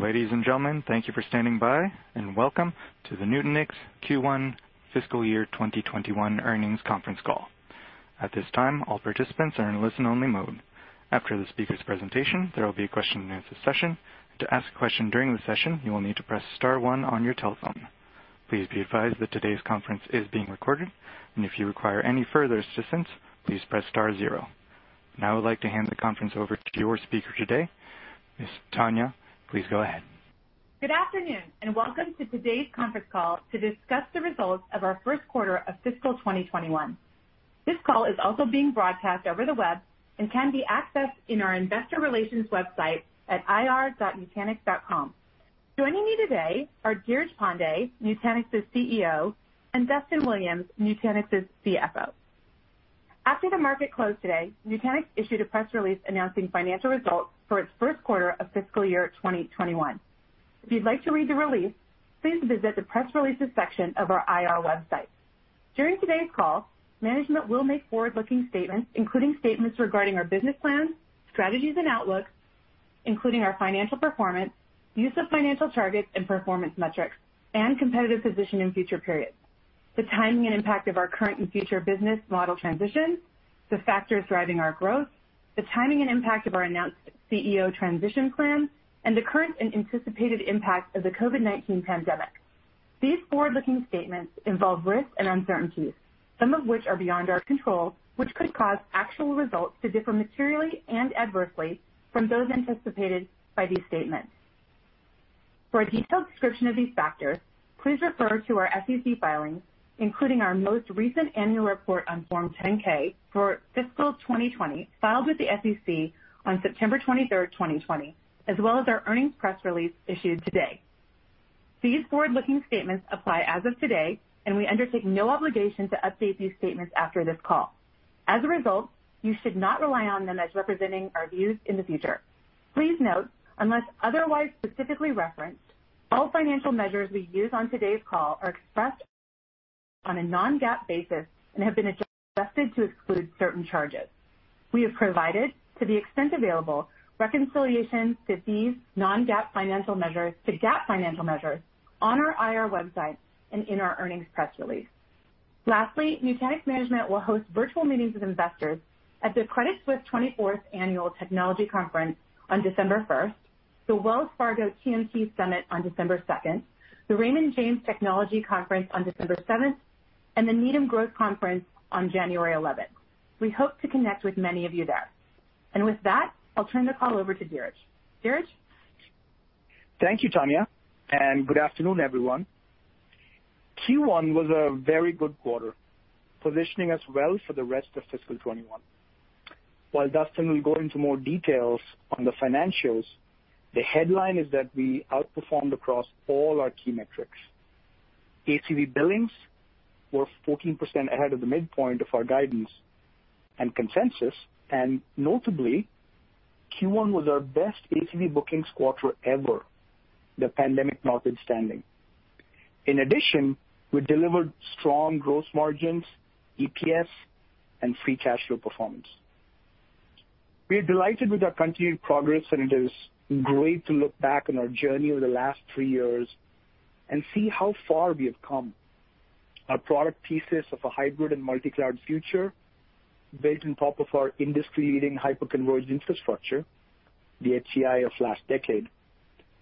Ladies and gentlemen, thank you for standing by, and welcome to the Nutanix Q1 fiscal year 2021 earnings conference call. At this time, all participants are in listen-only mode. After the speaker's presentation, there will be a question and answer session. To ask a question during the session, you will need to press star one on your telephone. Please be advised that today's conference is being recorded, and if you require any further assistance, please press star zero. Now I would like to hand the conference over to your speaker today, Ms. Tonya. Please go ahead. Good afternoon, and welcome to today's conference call to discuss the results of our first quarter of fiscal 2021. This call is also being broadcast over the web and can be accessed in our investor relations website at ir.nutanix.com. Joining me today are Dheeraj Pandey, Nutanix's CEO, and Duston Williams, Nutanix's CFO. After the market closed today, Nutanix issued a press release announcing financial results for its first quarter of fiscal year 2021. If you'd like to read the release, please visit the press releases section of our IR website. During today's call, management will make forward-looking statements, including statements regarding our business plans, strategies, and outlook, including our financial performance, use of financial targets and performance metrics, and competitive position in future periods, the timing and impact of our current and future business model transitions, the factors driving our growth, the timing and impact of our announced CEO transition plan, and the current and anticipated impact of the COVID-19 pandemic. These forward-looking statements involve risks and uncertainties, some of which are beyond our control, which could cause actual results to differ materially and adversely from those anticipated by these statements. For a detailed description of these factors, please refer to our SEC filings, including our most recent annual report on Form 10-K for fiscal 2020, filed with the SEC on September 23rd, 2020, as well as our earnings press release issued today. These forward-looking statements apply as of today, and we undertake no obligation to update these statements after this call. As a result, you should not rely on them as representing our views in the future. Please note, unless otherwise specifically referenced, all financial measures we use on today's call are expressed on a non-GAAP basis and have been adjusted to exclude certain charges. We have provided, to the extent available, reconciliations to these non-GAAP financial measures to GAAP financial measures on our IR website and in our earnings press release. Lastly, Nutanix management will host virtual meetings with investors at the Credit Suisse 24th Annual Technology Conference on December 1st, the Wells Fargo TMT Summit on December 2nd, the Raymond James Technology Conference on December 7th, and the Needham Growth Conference on January 11th. We hope to connect with many of you there. With that, I'll turn the call over to Dheeraj. Dheeraj? Thank you, Tonya, and good afternoon, everyone. Q1 was a very good quarter, positioning us well for the rest of fiscal 2021. While Duston will go into more details on the financials, the headline is that we outperformed across all our key metrics. ACV billings were 14% ahead of the midpoint of our guidance and consensus, and notably, Q1 was our best ACV bookings quarter ever, the pandemic notwithstanding. In addition, we delivered strong gross margins, EPS, and free cash flow performance. We are delighted with our continued progress, and it is great to look back on our journey over the last three years and see how far we have come. Our product thesis of a hybrid and multi-cloud future built on top of our industry-leading Hyper-Converged Infrastructure, the HCI of last decade,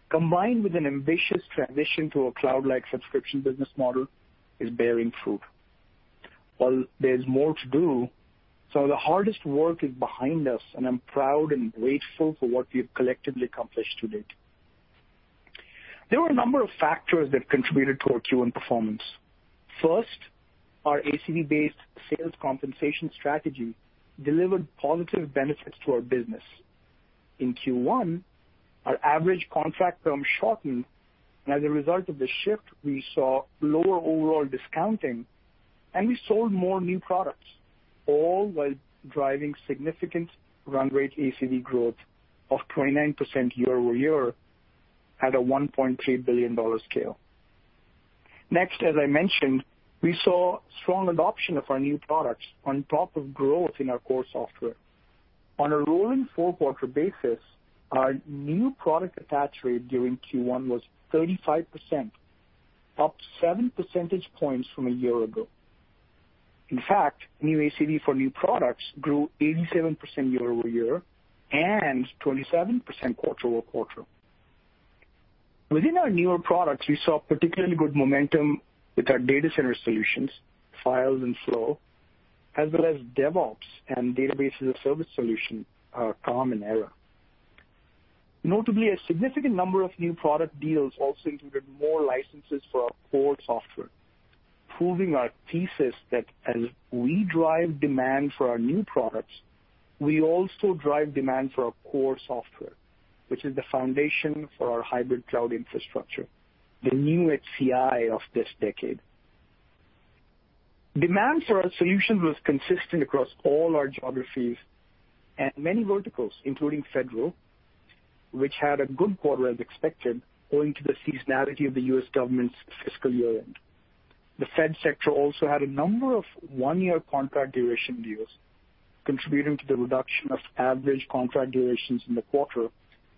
combined with an ambitious transition to a cloud-like subscription business model, is bearing fruit. While there's more to do, so the hardest work is behind us, and I'm proud and grateful for what we've collectively accomplished to date. There were a number of factors that contributed to our Q1 performance. First, our ACV-based sales compensation strategy delivered positive benefits to our business. In Q1, our average contract term shortened, and as a result of the shift, we saw lower overall discounting, and we sold more new products, all while driving significant run rate ACV growth of 29% year-over-year at a $1.3 billion scale. As I mentioned, we saw strong adoption of our new products on top of growth in our core software. On a rolling four-quarter basis, our new product attach rate during Q1 was 35%, up 7 percentage points from a year ago. In fact, new ACV for new products grew 87% year-over-year and 27% quarter-over-quarter. Within our newer products, we saw particularly good momentum with our data center solutions, Files and Flow, as well as DevOps and Database-as-a-Service solution, our Calm and Era. Notably, a significant number of new product deals also included more licenses for our core software, proving our thesis that as we drive demand for our new products, we also drive demand for our core software, which is the foundation for our hybrid cloud infrastructure, the new HCI of this decade. Demand for our solutions was consistent across all our geographies and many verticals, including Federal, which had a good quarter as expected, owing to the seasonality of the U.S. government's fiscal year-end. The Federal sector also had a number of one-year contract duration deals contributing to the reduction of average contract durations in the quarter,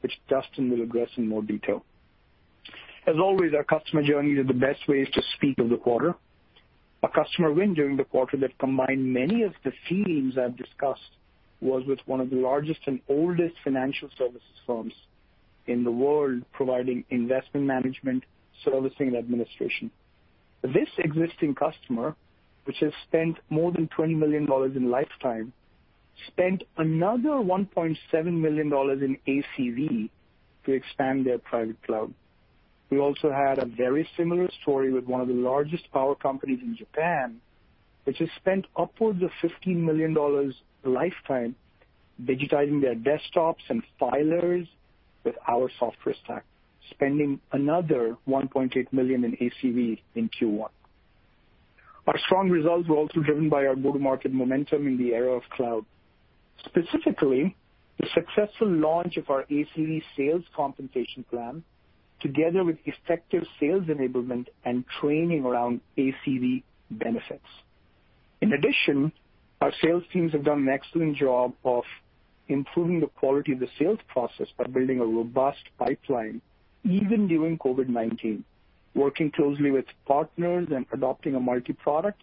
which Duston will address in more detail. As always, our customer journey is the best way to speak of the quarter. A customer win during the quarter that combined many of the themes I've discussed was with one of the largest and oldest financial services firms in the world, providing investment management, servicing, and administration. This existing customer, which has spent more than $20 million in lifetime, spent another $1.7 million in ACV to expand their private cloud. We also had a very similar story with one of the largest power companies in Japan, which has spent upwards of $15 million lifetime digitizing their desktops and filers with our software stack, spending another $1.8 million in ACV in Q1. Our strong results were also driven by our go-to-market momentum in the era of cloud, specifically the successful launch of our ACV sales compensation plan, together with effective sales enablement and training around ACV benefits. In addition, our sales teams have done an excellent job of improving the quality of the sales process by building a robust pipeline, even during COVID-19, working closely with partners and adopting a multi-product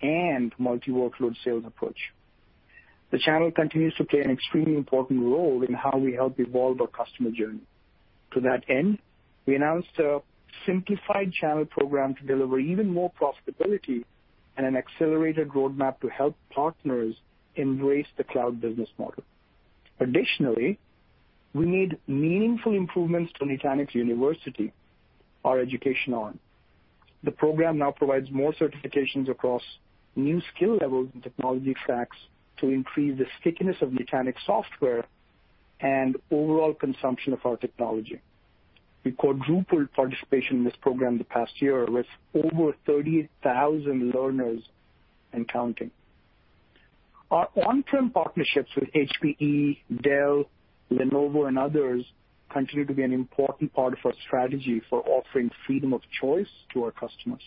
and multi-workload sales approach. The channel continues to play an extremely important role in how we help evolve our customer journey. To that end, we announced a simplified channel program to deliver even more profitability and an accelerated roadmap to help partners embrace the cloud business model. Additionally, we made meaningful improvements to Nutanix University, our education arm. The program now provides more certifications across new skill levels and technology stacks to increase the stickiness of Nutanix software and overall consumption of our technology. We quadrupled participation in this program in the past year, with over 30,000 learners and counting. Our on-prem partnerships with HPE, Dell, Lenovo, and others continue to be an important part of our strategy for offering freedom of choice to our customers.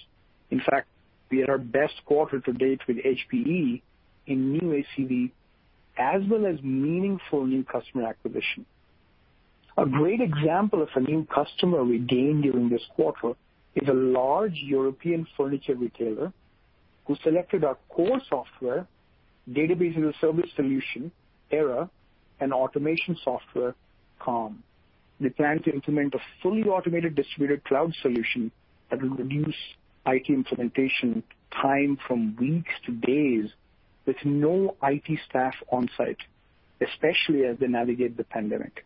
In fact, we had our best quarter to date with HPE in new ACV, as well as meaningful new customer acquisition. A great example of a new customer we gained during this quarter is a large European furniture retailer who selected our core software, Database-as-a-Service solution, Era, and automation software, Calm. They plan to implement a fully automated distributed cloud solution that will reduce IT implementation time from weeks to days with no IT staff on-site, especially as they navigate the pandemic.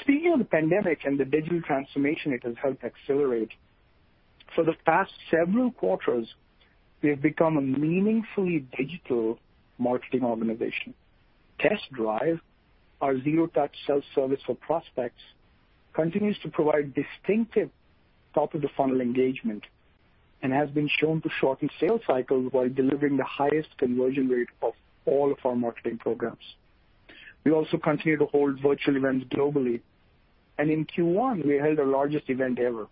Speaking of the pandemic and the digital transformation it has helped accelerate, for the past several quarters, we have become a meaningfully digital marketing organization. Test Drive, our zero-touch self-service for prospects, continues to provide distinctive top-of-the-funnel engagement and has been shown to shorten sales cycles while delivering the highest conversion rate of all of our marketing programs. We also continue to hold virtual events globally, and in Q1, we held our largest event ever,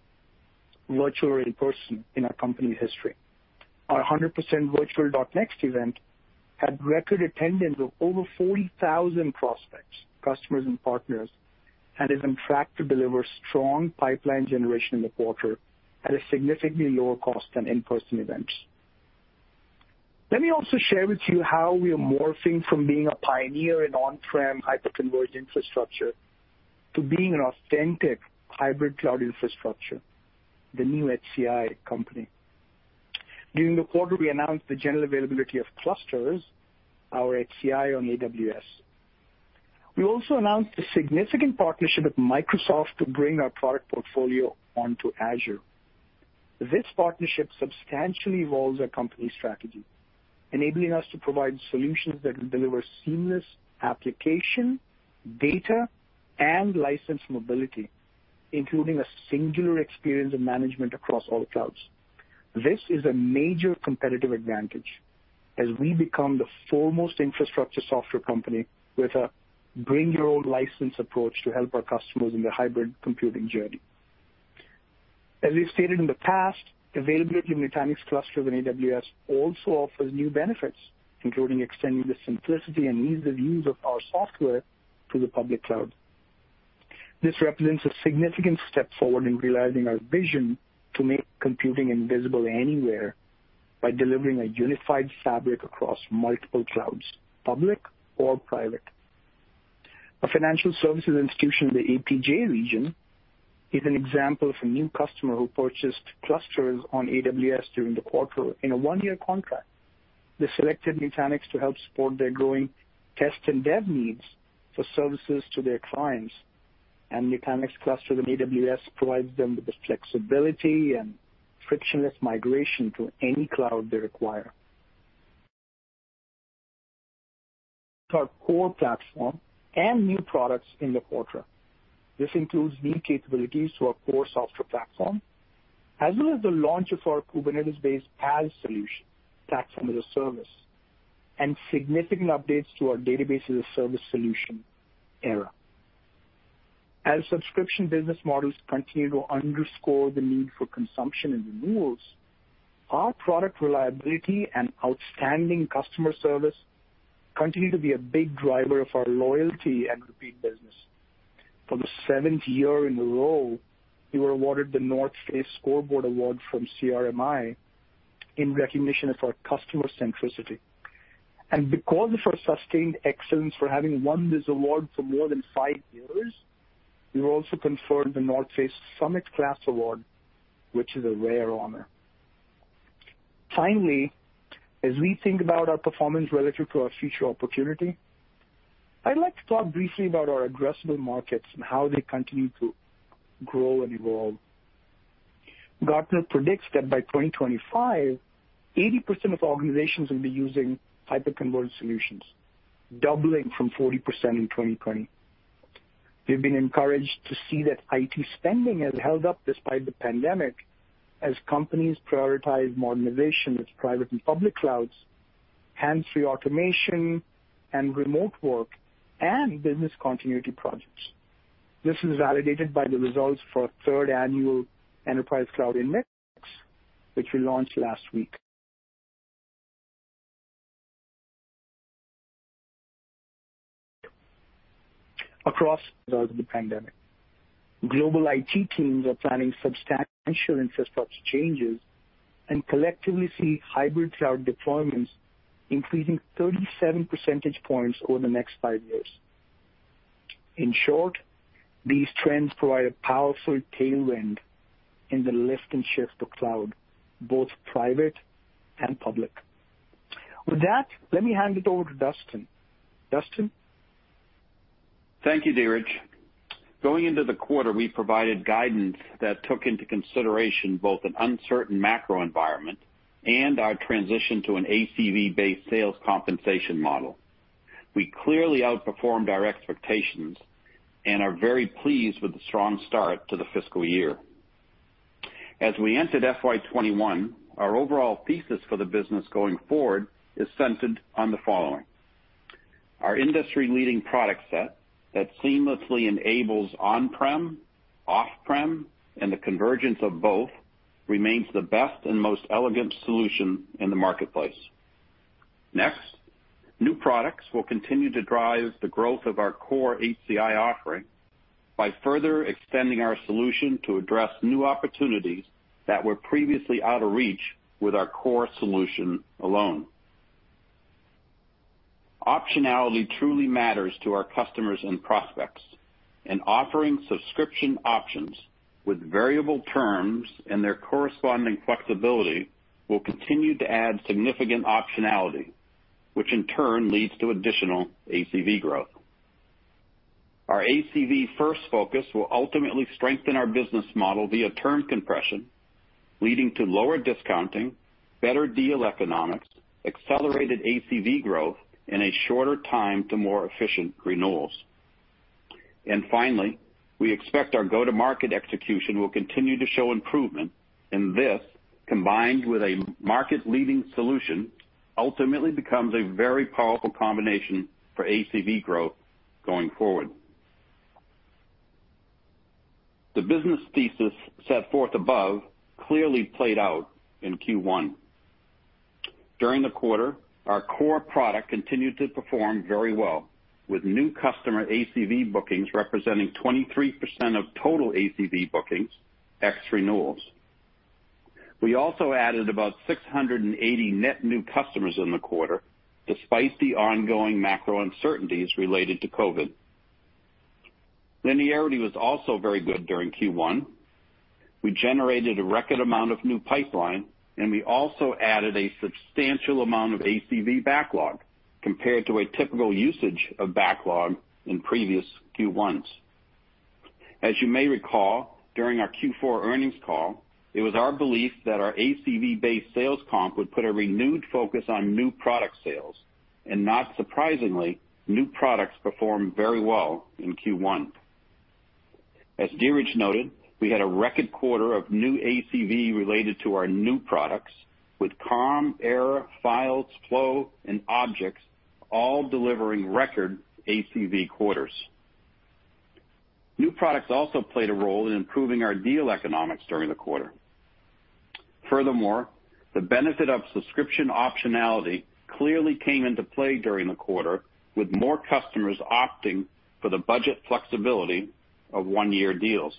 virtual or in person, in our company history. Our 100% virtual .NEXT event had record attendance of over 40,000 prospects, customers, and partners, and is on track to deliver strong pipeline generation in the quarter at a significantly lower cost than in-person events. Let me also share with you how we are morphing from being a pioneer in on-prem hyper-converged infrastructure to being an authentic hybrid cloud infrastructure, the new HCI company. During the quarter, we announced the general availability of Clusters, our HCI on AWS. We also announced a significant partnership with Microsoft to bring our product portfolio onto Azure. This partnership substantially evolves our company strategy, enabling us to provide solutions that will deliver seamless application, data, and license mobility, including a singular experience of management across all clouds. This is a major competitive advantage as we become the foremost infrastructure software company with a bring-your-own-license approach to help our customers in their hybrid computing journey. As we've stated in the past, the availability of Nutanix Clusters on AWS also offers new benefits, including extending the simplicity and ease of use of our software to the public cloud. This represents a significant step forward in realizing our vision to make computing invisible anywhere by delivering a unified fabric across multiple clouds, public or private. A financial services institution in the APJ region is an example of a new customer who purchased Clusters on AWS during the quarter in a one-year contract. They selected Nutanix to help support their growing test and dev needs for services to their clients, and Nutanix Cluster on AWS provides them with the flexibility and frictionless migration to any cloud they require. Our core platform and new products in the quarter. This includes new capabilities to our core software platform, as well as the launch of our Kubernetes-based PaaS solution, Platform-as-a-Service, and significant updates to our Database-as-a-Service solution, Era. Subscription business models continue to underscore the need for consumption and renewals, our product reliability and outstanding customer service continue to be a big driver of our loyalty and repeat business. For the 7th year in a row, we were awarded The NorthFace ScoreBoard Award from CRMI in recognition of our customer centricity. Because of our sustained excellence for having won this award for more than 5 years, we were also conferred The NorthFace Summit Class Award, which is a rare honor. Finally, as we think about our performance relative to our future opportunity, I'd like to talk briefly about our addressable markets and how they continue to grow and evolve. Gartner predicts that by 2025, 80% of organizations will be using hyperconverged solutions, doubling from 40% in 2020. We've been encouraged to see that IT spending has held up despite the pandemic, as companies prioritize modernization with private and public clouds, hands-free automation and remote work, and business continuity projects. This is validated by the results for our third annual Nutanix Enterprise Cloud Index, which we launched last week. Across the pandemic, global IT teams are planning substantial infrastructure changes and collectively see hybrid cloud deployments increasing 37 percentage points over the next five years. In short, these trends provide a powerful tailwind in the lift and shift to cloud, both private and public. With that, let me hand it over to Duston. Duston? Thank you, Dheeraj. Going into the quarter, we provided guidance that took into consideration both an uncertain macro environment and our transition to an ACV-based sales compensation model. We clearly outperformed our expectations and are very pleased with the strong start to the fiscal year. As we entered FY 2021, our overall thesis for the business going forward is centered on the following. Our industry-leading product set that seamlessly enables on-prem, off-prem, and the convergence of both remains the best and most elegant solution in the marketplace. New products will continue to drive the growth of our core HCI offering by further extending our solution to address new opportunities that were previously out of reach with our core solution alone. Optionality truly matters to our customers and prospects, offering subscription options with variable terms and their corresponding flexibility will continue to add significant optionality, which in turn leads to additional ACV growth. Our ACV first focus will ultimately strengthen our business model via term compression, leading to lower discounting, better deal economics, accelerated ACV growth, and a shorter time to more efficient renewals. Finally, we expect our go-to-market execution will continue to show improvement, and this, combined with a market-leading solution, ultimately becomes a very powerful combination for ACV growth going forward. The business thesis set forth above clearly played out in Q1. During the quarter, our core product continued to perform very well, with new customer ACV bookings representing 23% of total ACV bookings, ex renewals. We also added about 680 net new customers in the quarter, despite the ongoing macro uncertainties related to COVID. Linearity was also very good during Q1. We generated a record amount of new pipeline, and we also added a substantial amount of ACV backlog compared to a typical usage of backlog in previous Q1s. As you may recall, during our Q4 earnings call, it was our belief that our ACV-based sales comp would put a renewed focus on new product sales. Not surprisingly, new products performed very well in Q1. As Dheeraj noted, we had a record quarter of new ACV related to our new products, with Calm, Era, Files, Flow, and Objects all delivering record ACV quarters. New products also played a role in improving our deal economics during the quarter. Furthermore, the benefit of subscription optionality clearly came into play during the quarter, with more customers opting for the budget flexibility of one-year deals.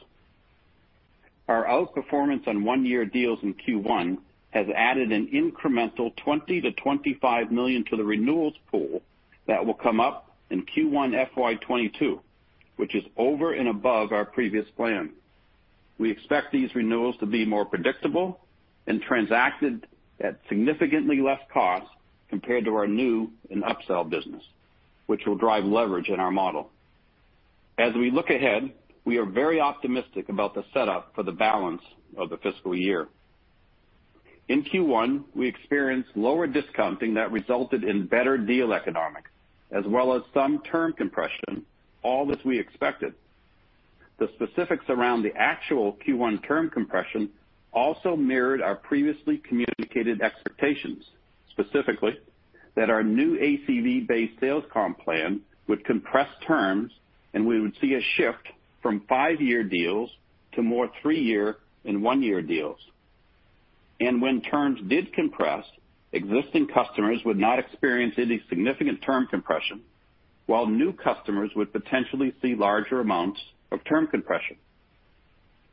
Our outperformance on one-year deals in Q1 has added an incremental $20 million-$25 million to the renewals pool that will come up in Q1 FY 2022, which is over and above our previous plan. We expect these renewals to be more predictable and transacted at significantly less cost compared to our new and upsell business, which will drive leverage in our model. As we look ahead, we are very optimistic about the setup for the balance of the fiscal year. In Q1, we experienced lower discounting that resulted in better deal economics, as well as some term compression, all as we expected. The specifics around the actual Q1 term compression also mirrored our previously communicated expectations. Specifically, that our new ACV-based sales comp plan would compress terms, and we would see a shift from five-year deals to more three-year and one-year deals. When terms did compress, existing customers would not experience any significant term compression, while new customers would potentially see larger amounts of term compression.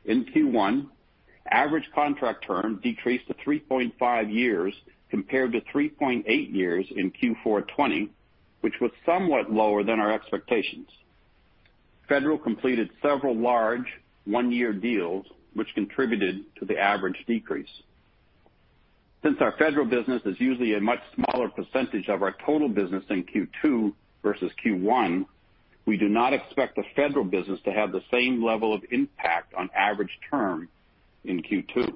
In Q1, average contract term decreased to 3.5 years compared to 3.8 years in Q4 2020, which was somewhat lower than our expectations. Federal completed several large one-year deals, which contributed to the average decrease. Since our federal business is usually a much smaller percentage of our total business in Q2 versus Q1, we do not expect the federal business to have the same level of impact on average term in Q2.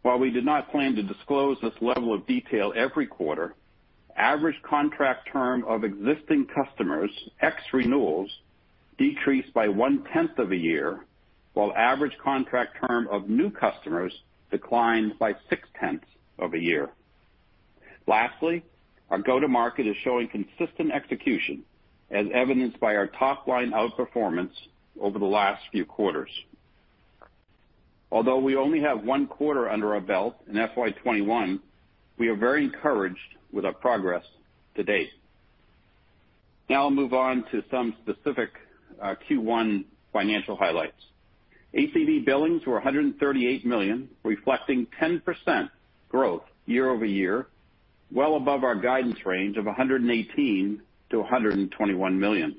While we did not plan to disclose this level of detail every quarter, average contract term of existing customers, ex renewals, decreased by 1/10 of a year, while average contract term of new customers declined by six-tenths of a year. Lastly, our go-to-market is showing consistent execution, as evidenced by our top-line outperformance over the last few quarters. Although we only have one quarter under our belt in FY 2021, we are very encouraged with our progress to date. Now I'll move on to some specific Q1 financial highlights. ACV billings were $138 million, reflecting 10% growth year-over-year, well above our guidance range of $118 million-$121 million.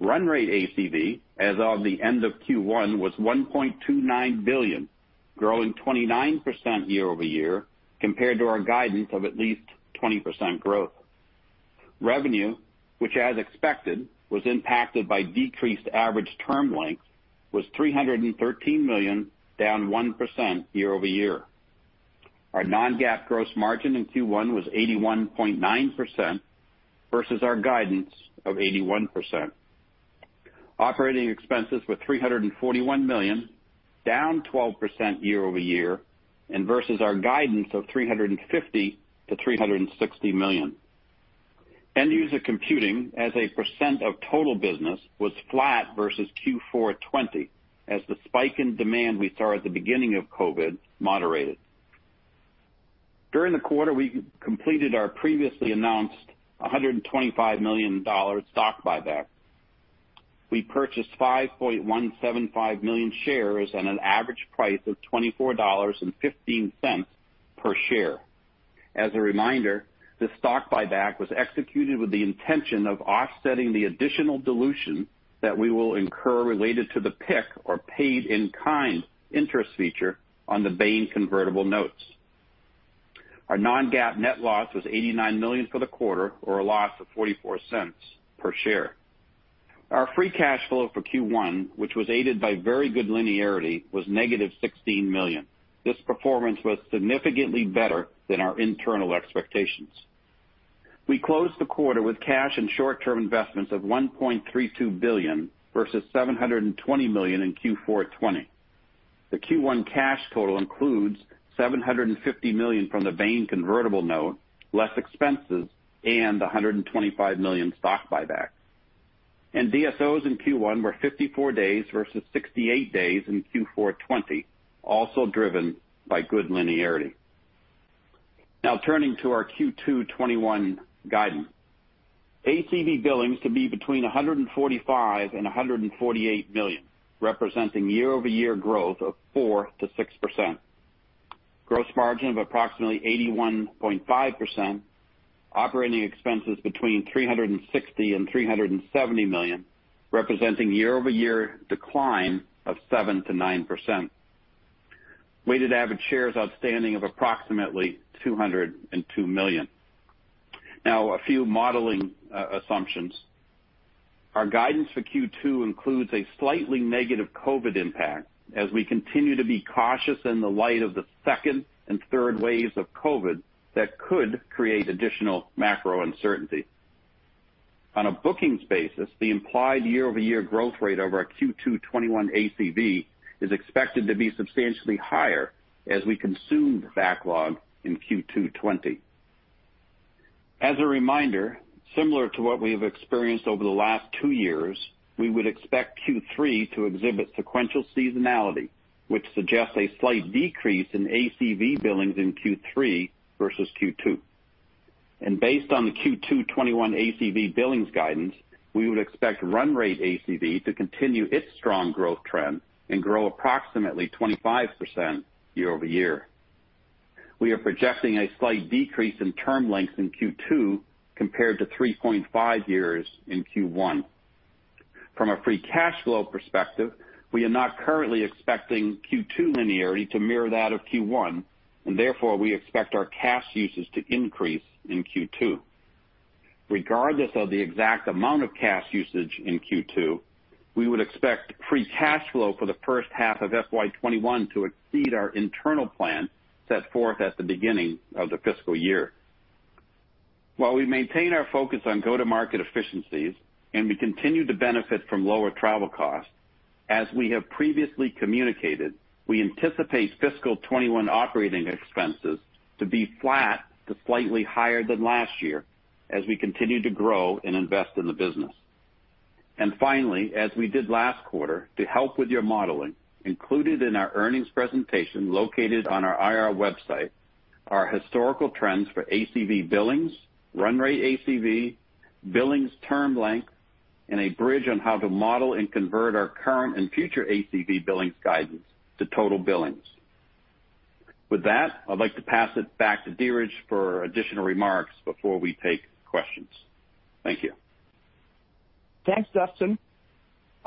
Run rate ACV as of the end of Q1 was $1.29 billion, growing 29% year-over-year compared to our guidance of at least 20% growth. Revenue, which as expected, was impacted by decreased average term length, was $313 million, down 1% year-over-year. Our non-GAAP gross margin in Q1 was 81.9% versus our guidance of 81%. Operating expenses were $341 million, down 12% year-over-year and versus our guidance of $350 million-$360 million. End user computing as a percent of total business was flat versus Q4 2020 as the spike in demand we saw at the beginning of COVID-19 moderated. During the quarter, we completed our previously announced $125 million stock buyback. We purchased 5.175 million shares at an average price of $24.15 per share. As a reminder, the stock buyback was executed with the intention of offsetting the additional dilution that we will incur related to the PIK, or paid in kind, interest feature on the Bain convertible notes. Our non-GAAP net loss was $89 million for the quarter, or a loss of $0.44 per share. Our free cash flow for Q1, which was aided by very good linearity, was negative $16 million. This performance was significantly better than our internal expectations. We closed the quarter with cash and short-term investments of $1.32 billion versus $720 million in Q4 2020. The Q1 cash total includes $750 million from the Bain convertible note, less expenses and $125 million stock buyback. DSOs in Q1 were 54 days versus 68 days in Q4 2020, also driven by good linearity. Turning to our Q2 2021 guidance. ACV billings to be between $145 million and $148 million, representing year-over-year growth of 4% to 6%. Gross margin of approximately 81.5%. Operating expenses between $360 million and $370 million, representing year-over-year decline of 7%-9%. Weighted average shares outstanding of approximately 202 million. A few modeling assumptions. Our guidance for Q2 includes a slightly negative COVID impact as we continue to be cautious in the light of the second and third waves of COVID that could create additional macro uncertainty. On a bookings basis, the implied year-over-year growth rate over our Q2 2021 ACV is expected to be substantially higher as we consume the backlog in Q2 2020. As a reminder, similar to what we have experienced over the last two years, we would expect Q3 to exhibit sequential seasonality, which suggests a slight decrease in ACV billings in Q3 versus Q2. Based on the Q2 2021 ACV billings guidance, we would expect run rate ACV to continue its strong growth trend and grow approximately 25% year-over-year. We are projecting a slight decrease in term lengths in Q2 compared to 3.5 years in Q1. From a free cash flow perspective, we are not currently expecting Q2 linearity to mirror that of Q1, and therefore, we expect our cash usage to increase in Q2. Regardless of the exact amount of cash usage in Q2, we would expect free cash flow for the first half of FY 2021 to exceed our internal plan set forth at the beginning of the fiscal year. While we maintain our focus on go-to-market efficiencies and we continue to benefit from lower travel costs, as we have previously communicated, we anticipate fiscal 2021 operating expenses to be flat to slightly higher than last year as we continue to grow and invest in the business. Finally, as we did last quarter, to help with your modeling, included in our earnings presentation located on our ir.nutanix.com, are historical trends for ACV billings, run rate ACV, billings term length, and a bridge on how to model and convert our current and future ACV billings guidance to total billings. With that, I'd like to pass it back to Dheeraj for additional remarks before we take questions. Thank you. Thanks, Duston.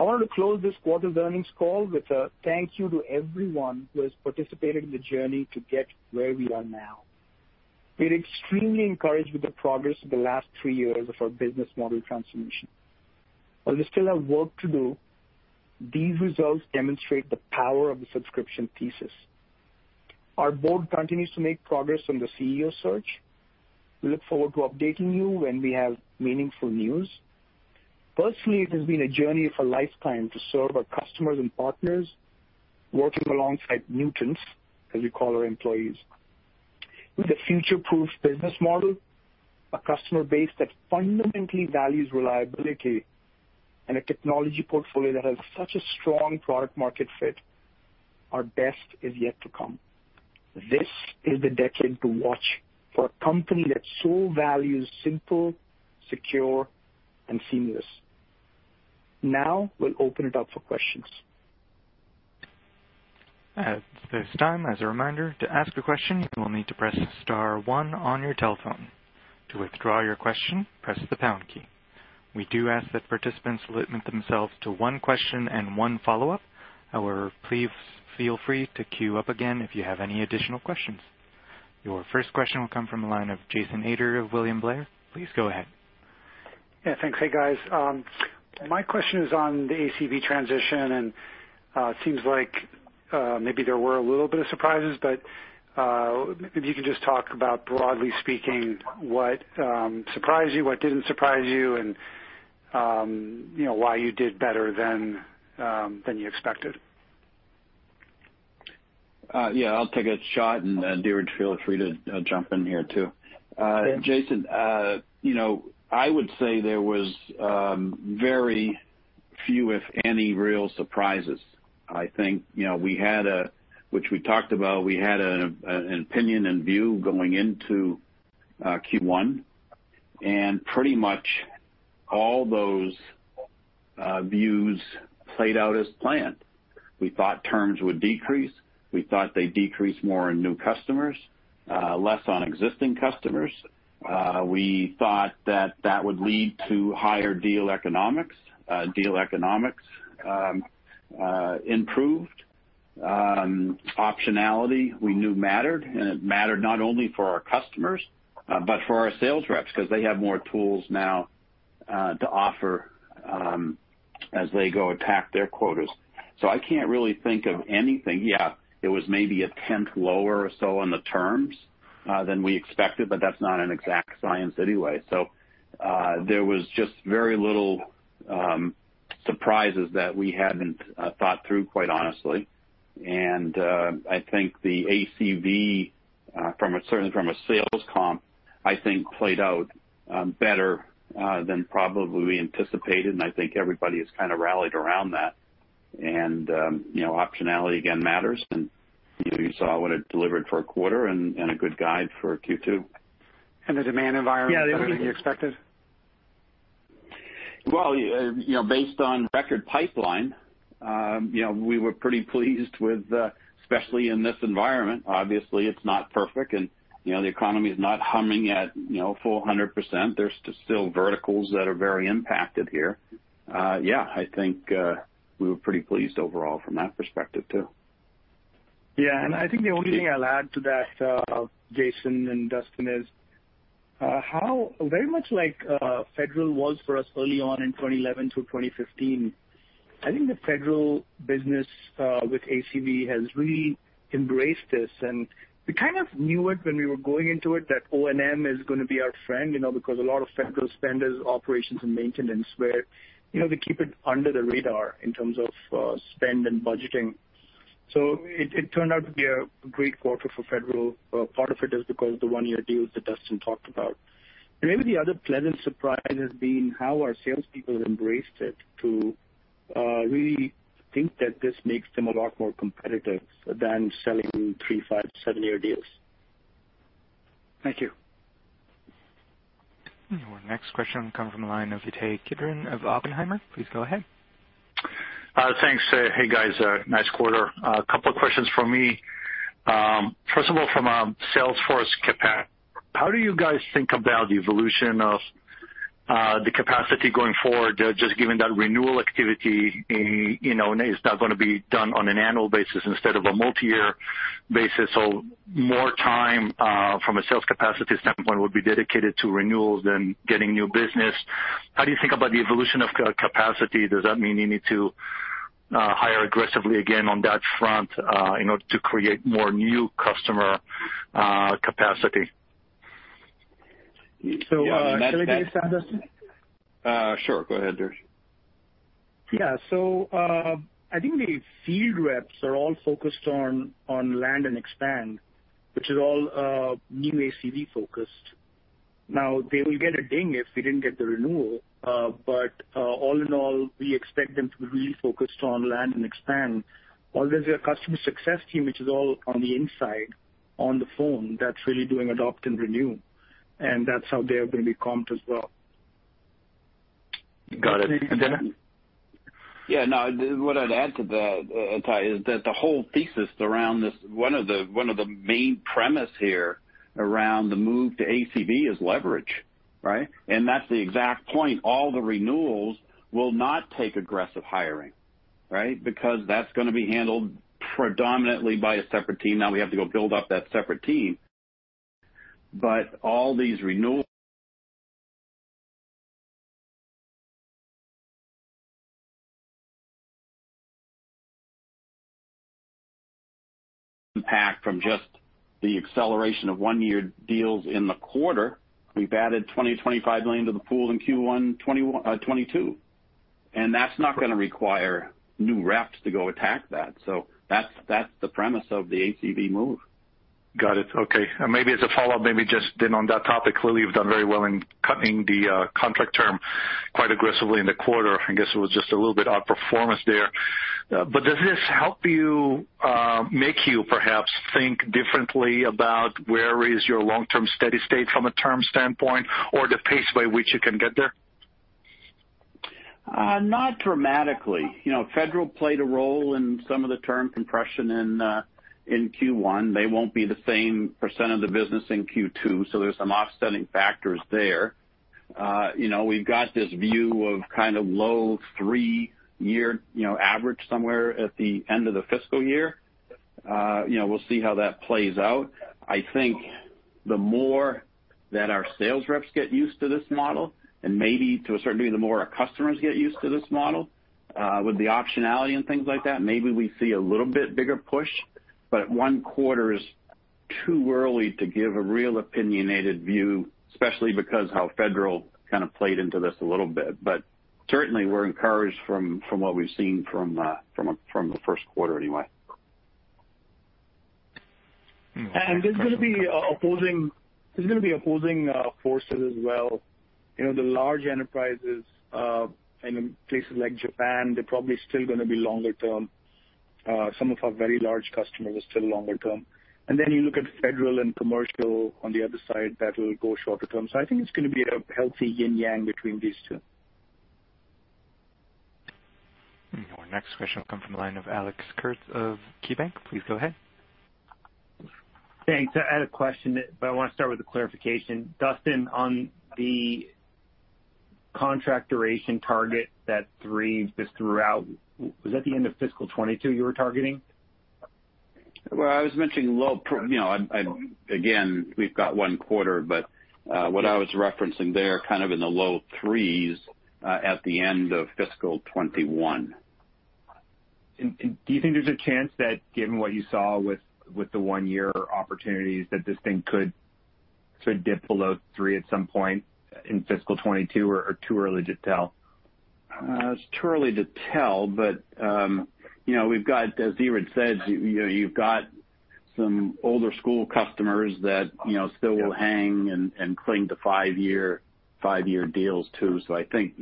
I wanted to close this quarter's earnings call with a thank you to everyone who has participated in the journey to get where we are now. We are extremely encouraged with the progress of the last three years of our business model transformation. While we still have work to do, these results demonstrate the power of the subscription thesis. Our board continues to make progress on the CEO search. We look forward to updating you when we have meaningful news. Personally, it has been a journey of a lifetime to serve our customers and partners, working alongside Nutants, as we call our employees. With a future-proof business model, a customer base that fundamentally values reliability, and a technology portfolio that has such a strong product market fit, our best is yet to come. This is the decade to watch for a company that so values simple, secure, and seamless. Now, we'll open it up for questions. At this time, as a reminder, to ask a question, you will need to press star one on your telephone. To withdraw your question, press the pound key. We do ask that participants limit themselves to one question and one follow-up. However, please feel free to queue up again if you have any additional questions. Your first question will come from the line of Jason Ader of William Blair. Please go ahead. Yeah, thanks. Hey, guys. My question is on the ACV transition, and it seems like maybe there were a little bit of surprises, but if you could just talk about, broadly speaking, what surprised you, what didn't surprise you, and why you did better than you expected? Yeah, I'll take a shot. Dheeraj, feel free to jump in here, too. Yeah. Jason, I would say there was very few, if any, real surprises. I think, which we talked about, we had an opinion and view going into Q1, and pretty much all those views played out as planned. We thought terms would decrease. We thought they'd decrease more in new customers, less on existing customers. We thought that that would lead to higher deal economics. Deal economics improved. Optionality we knew mattered, and it mattered not only for our customers but for our sales reps, because they have more tools now to offer as they go attack their quotas. I can't really think of anything. It was maybe a tenth lower or so on the terms than we expected, but that's not an exact science anyway. There was just very little surprises that we hadn't thought through, quite honestly. I think the ACV, certainly from a sales comp, I think played out better than probably we anticipated, and I think everybody has rallied around that. Optionality, again, matters, and you saw what it delivered for a quarter and a good guide for Q2. The demand environment. Yeah. Better than you expected? Well, based on record pipeline, we were pretty pleased, especially in this environment. It's not perfect and the economy is not humming at full 100%. There's still verticals that are very impacted here. Yeah, I think we were pretty pleased overall from that perspective, too. Yeah, I think the only thing I'll add to that, Jason and Duston, is how very much like Federal was for us early on in 2011-2015, I think the Federal business with ACV has really embraced this. We kind of knew it when we were going into it, that O&M is going to be our friend, because a lot of Federal spend is operations and maintenance, where they keep it under the radar in terms of spend and budgeting. It turned out to be a great quarter for Federal. Part of it is because of the one-year deals that Duston talked about. Maybe the other pleasant surprise has been how our salespeople have embraced it, to really think that this makes them a lot more competitive than selling three, five, seven-year deals. Thank you. Your next question will come from the line of Ittai Kidron of Oppenheimer. Please go ahead. Thanks. Hey, guys. Nice quarter. A couple of questions from me. First of all, from a sales force capacity, how do you guys think about the evolution of the capacity going forward, just given that renewal activity in O&M is now going to be done on an annual basis instead of a multi-year basis, so more time from a sales capacity standpoint will be dedicated to renewals than getting new business. How do you think about the evolution of capacity? Does that mean you need to hire aggressively again on that front in order to create more new customer capacity. So- Yeah, and that- Should I take this, Duston? Sure. Go ahead, Dheeraj. I think the field reps are all focused on land and expand, which is all new ACV-focused. Now, they will get a ding if they didn't get the renewal. All in all, we expect them to be really focused on land and expand. While there's a customer success team, which is all on the inside, on the phone, that's really doing adopt and renew, and that's how they're going to be comped as well. Got it. Yeah, no, what I'd add to that, Ittai, is that the whole thesis around this, one of the main premise here around the move to ACV is leverage, right? That's the exact point. All the renewals will not take aggressive hiring, right? Because that's going to be handled predominantly by a separate team. Now we have to go build up that separate team. All these renewal impact from just the acceleration of one-year deals in the quarter. We've added $20 million-$25 million to the pool in Q1 2022, and that's not going to require new reps to go attack that. That's the premise of the ACV move. Got it. Okay. Maybe as a follow-up, maybe just then on that topic, clearly you've done very well in cutting the contract term quite aggressively in the quarter. I guess it was just a little bit outperformance there. Does this help you, make you perhaps think differently about where is your long-term steady state from a term standpoint or the pace by which you can get there? Not dramatically. Federal played a role in some of the term compression in Q1. They won't be the same percentage of the business in Q2, so there's some offsetting factors there. We've got this view of kind of low three-year average somewhere at the end of the fiscal year. We'll see how that plays out. I think the more that our sales reps get used to this model, and maybe to a certain degree, the more our customers get used to this model, with the optionality and things like that, maybe we see a little bit bigger push. One quarter is too early to give a real opinionated view, especially because how Federal kind of played into this a little bit. Certainly, we're encouraged from what we've seen from the first quarter anyway. There's going to be opposing forces as well. The large enterprises in places like Japan, they're probably still going to be longer term. Some of our very large customers are still longer term. You look at federal and commercial on the other side, that will go shorter term. I think it's going to be a healthy yin yang between these two. Our next question will come from the line of Alex Kurtz of KeyBanc. Please go ahead. Thanks. I had a question, but I want to start with a clarification. Duston, on the contract duration target, that three, this throughout, was that the end of fiscal 2022 you were targeting? Again, we've got one quarter, but what I was referencing there, kind of in the low threes at the end of fiscal 2021. Do you think there's a chance that given what you saw with the one-year opportunities that this thing could dip below three at some point in fiscal 2022, or too early to tell? It's too early to tell. As Dheeraj said, you've got some older school customers that still will hang and cling to five-year deals too. I think,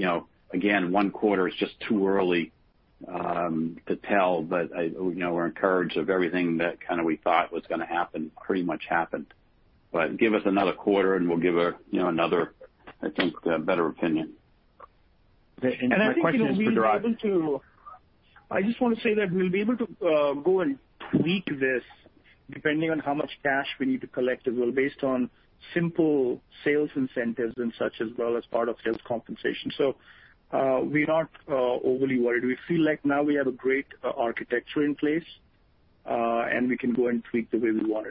again, one quarter is just too early to tell. We're encouraged of everything that we thought was going to happen pretty much happened. Give us another quarter and we'll give another, I think, better opinion. My question is for Dheeraj. I just want to say that we'll be able to go and tweak this depending on how much cash we need to collect as well, based on simple sales incentives and such as well as part of sales compensation. We're not overly worried. We feel like now we have a great architecture in place, and we can go and tweak the way we want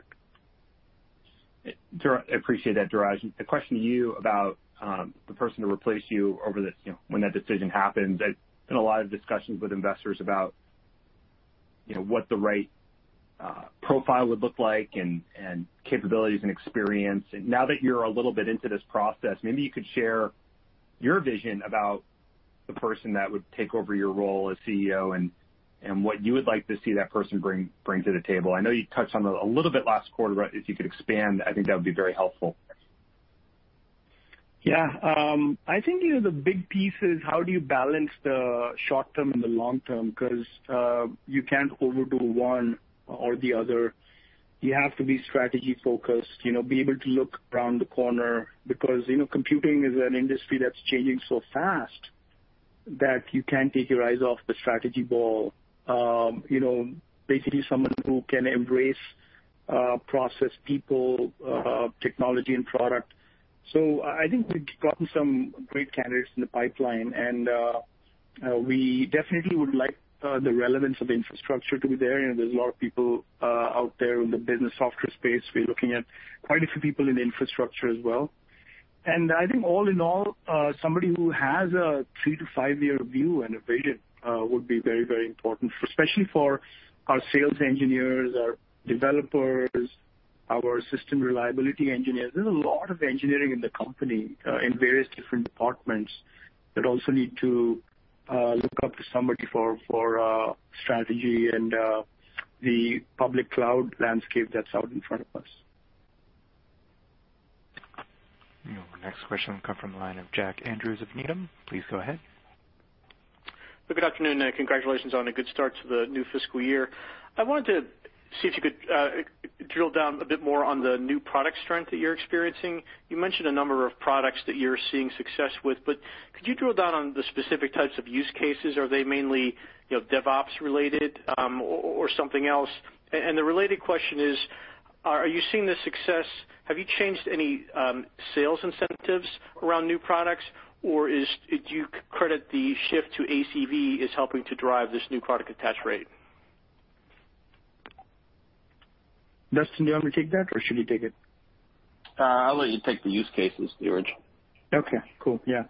it. Dheeraj, I appreciate that. Dheeraj, a question to you about the person to replace you when that decision happens. I've been in a lot of discussions with investors about what the right profile would look like and capabilities and experience. Now that you're a little bit into this process, maybe you could share your vision about the person that would take over your role as CEO, and what you would like to see that person bring to the table. I know you touched on it a little bit last quarter. If you could expand, I think that would be very helpful. I think the big piece is how do you balance the short term and the long term? Because you can't overdo one or the other. You have to be strategy-focused, be able to look around the corner, because computing is an industry that's changing so fast that you can't take your eyes off the strategy ball. Basically, someone who can embrace process, people, technology, and product. I think we've gotten some great candidates in the pipeline, and we definitely would like the relevance of infrastructure to be there. There's a lot of people out there in the business software space. We're looking at quite a few people in infrastructure as well. I think all in all, somebody who has a three-to-five-year view and a vision would be very important, especially for our sales engineers, our developers, our system reliability engineers. There's a lot of engineering in the company in various different departments that also need to look up to somebody for strategy and the public cloud landscape that's out in front of us. Our next question will come from the line of Jack Andrews of Needham. Please go ahead. Good afternoon. Congratulations on a good start to the new fiscal year. I wanted to see if you could drill down a bit more on the new product strength that you're experiencing. You mentioned a number of products that you're seeing success with. Could you drill down on the specific types of use cases? Are they mainly DevOps related, or something else? The related question is, have you changed any sales incentives around new products, or do you credit the shift to ACV as helping to drive this new product attach rate? Duston, do you want me to take that or should you take it? I'll let you take the use cases, Dheeraj. Okay. Cool. Yeah.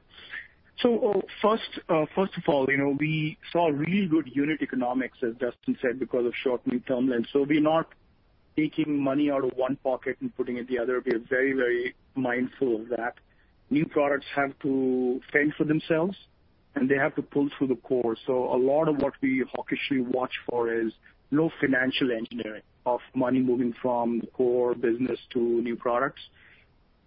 First of all, we saw really good unit economics, as Duston said, because of short new term lengths. We're not taking money out of one pocket and putting it in the other. We are very mindful of that. New products have to fend for themselves, and they have to pull through the core. A lot of what we hawkishly watch for is no financial engineering of money moving from the core business to new products.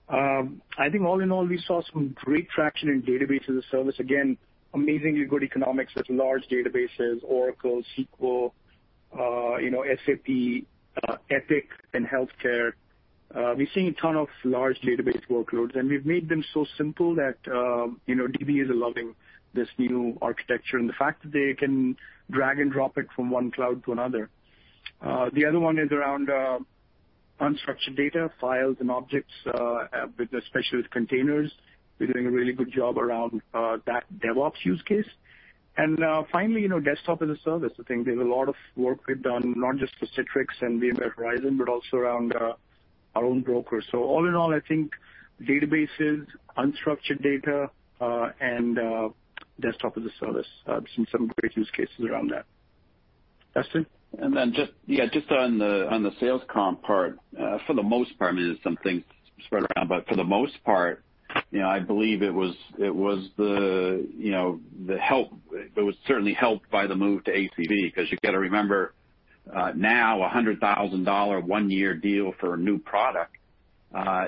I think all in all, we saw some great traction in Database-as-a-Service. Again, amazingly good economics with large databases, Oracle, SQL, SAP, Epic in healthcare. We're seeing a ton of large database workloads, and we've made them so simple that DBAs are loving this new architecture, and the fact that they can drag and drop it from one cloud to another. The other one is around unstructured data, files, and objects, especially with containers. We're doing a really good job around that DevOps use case. Finally, desktop as a service. I think there's a lot of work we've done, not just for Citrix and VMware Horizon, but also around our own brokers. All in all, I think databases, unstructured data, and desktop as a service. I've seen some great use cases around that. Duston? Then just on the sales comp part. For the most part, some things spread around, but for the most part, I believe it was certainly helped by the move to ACV, because you got to remember, now a $100,000 one-year deal for a new product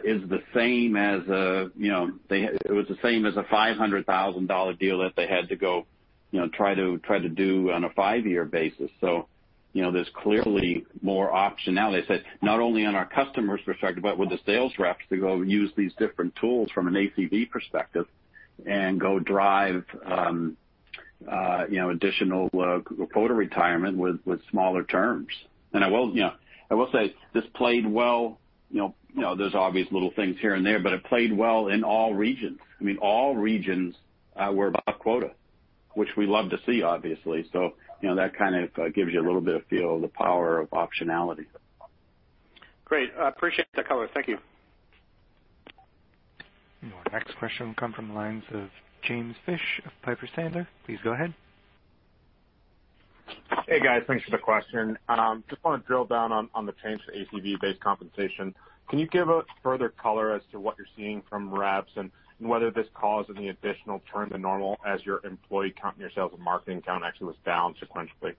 is the same as a $500,000 deal that they had to go try to do on a five-year basis. There's clearly more optionality, not only on our customers' perspective, but with the sales reps to go use these different tools from an ACV perspective and go drive additional quota retirement with smaller terms. I will say this played well. There's obvious little things here and there, but it played well in all regions. All regions were above quota, which we love to see, obviously. That kind of gives you a little bit of feel of the power of optionality. Great. I appreciate the color. Thank you. Our next question will come from the lines of James Fish of Piper Sandler. Please go ahead. Hey, guys. Thanks for the question. Just want to drill down on the change to ACV-based compensation. Can you give us further color as to what you're seeing from reps and whether this caused any additional churn than normal as your employee count and your sales and marketing count actually was down sequentially?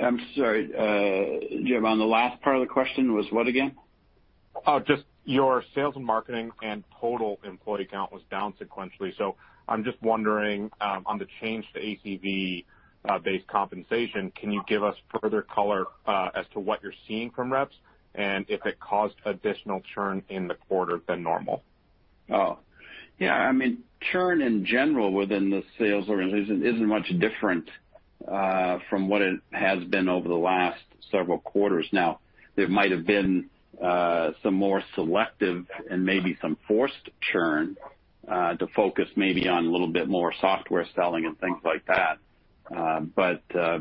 I'm sorry. On the last part of the question was what again? Just your sales and marketing and total employee count was down sequentially. I'm just wondering, on the change to ACV-based compensation, can you give us further color as to what you're seeing from reps and if it caused additional churn in the quarter than normal? Oh, yeah. Churn in general within the sales organization isn't much different from what it has been over the last several quarters now. There might have been some more selective and maybe some forced churn, to focus maybe on a little bit more software selling and things like that.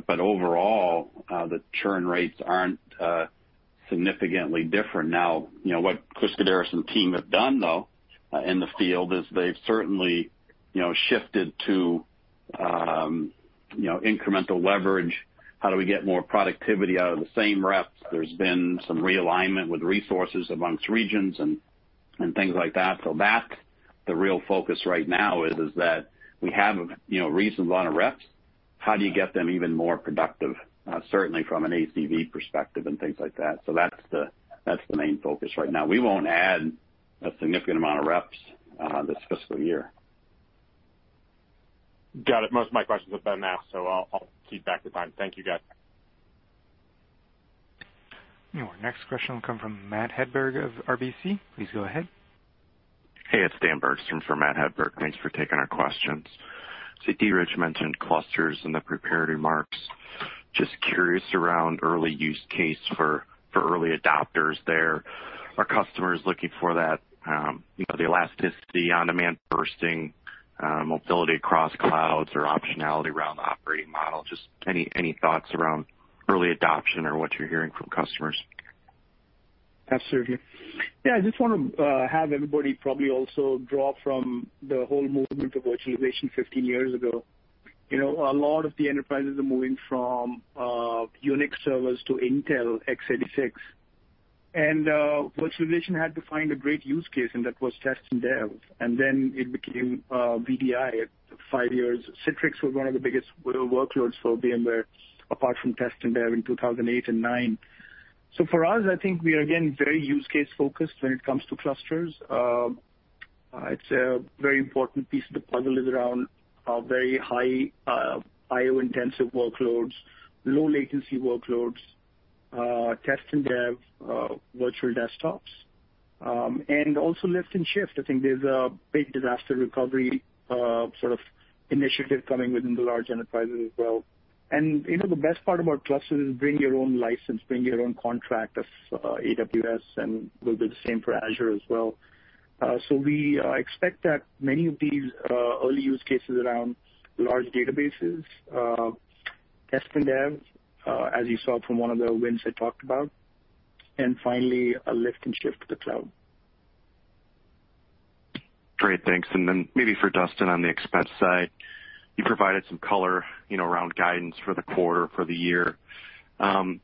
Overall, the churn rates aren't significantly different now. What Chris Kaddaras and team have done, though, in the field is they've certainly shifted to incremental leverage. How do we get more productivity out of the same reps? There's been some realignment with resources amongst regions and things like that. That's the real focus right now is that we have a reasonable amount of reps. How do you get them even more productive? Certainly from an ACV perspective and things like that. That's the main focus right now. We won't add a significant amount of reps this fiscal year. Got it. Most of my questions have been asked, I'll cede back the time. Thank you, guys. Our next question will come from Matthew Hedberg of RBC. Please go ahead. Hey, it's Dan Bergstrom for Matt Hedberg. Thanks for taking our questions. Dheeraj mentioned Nutanix Clusters in the prepared remarks. Just curious around early use case for early adopters there. Are customers looking for that elasticity on-demand bursting mobility across clouds or optionality around the operating model? Just any thoughts around early adoption or what you're hearing from customers? Absolutely. I just want to have everybody probably also draw from the whole movement of virtualization 15 years ago. A lot of the enterprises are moving from Unix servers to Intel x86, and virtualization had to find a great use case, and that was test and dev, and then it became VDI. At five years, Citrix was one of the biggest workloads for VMware, apart from test and dev in 2008 and 2009. For us, I think we are, again, very use case-focused when it comes to clusters. It's a very important piece of the puzzle is around very high IO-intensive workloads, low latency workloads, test and dev virtual desktops, and also lift and shift. I think there's a big disaster recovery sort of initiative coming within the large enterprises as well. The best part about clusters is bring your own license, bring your own contract of AWS, and will be the same for Azure as well. We expect that many of these early use cases around large databases, test and dev, as you saw from one of the wins I talked about, and finally, a lift and shift to the cloud. Great. Thanks. Maybe for Duston on the expense side, you provided some color around guidance for the quarter, for the year. From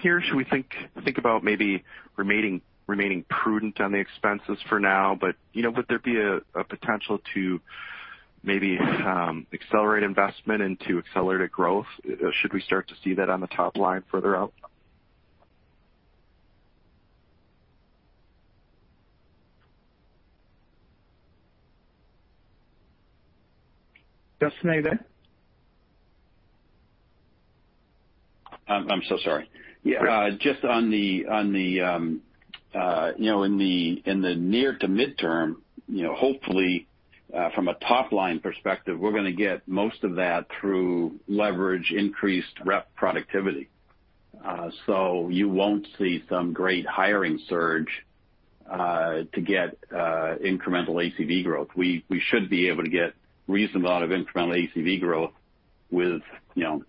here, should we think about maybe remaining prudent on the expenses for now, but would there be a potential to maybe accelerate investment into accelerated growth? Should we start to see that on the top line further out? Duston, are you there? I'm so sorry. Yeah. In the near to midterm, hopefully, from a top-line perspective, we're going to get most of that through leverage increased rep productivity. You won't see some great hiring surge to get incremental ACV growth. We should be able to get a reasonable amount of incremental ACV growth with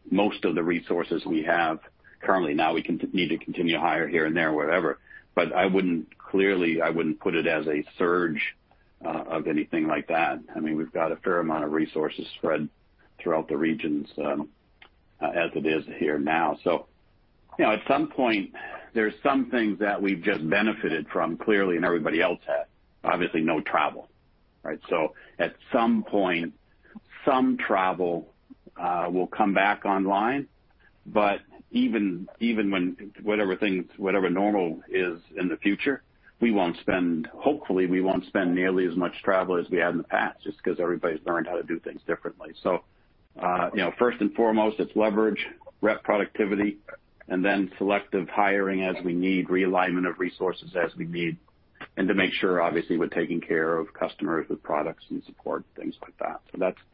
most of the resources we have currently. We need to continue to hire here and there, wherever. Clearly, I wouldn't put it as a surge of anything like that. We've got a fair amount of resources spread throughout the regions as it is here now. At some point, there are some things that we've just benefited from, clearly, and everybody else has. Obviously, no travel, right? At some point, some travel will come back online. Even when whatever normal is in the future, hopefully, we won't spend nearly as much travel as we have in the past, just because everybody's learned how to do things differently. First and foremost, it's leverage, rep productivity, and then selective hiring as we need, realignment of resources as we need, and to make sure, obviously, we're taking care of customers with products and support, things like that.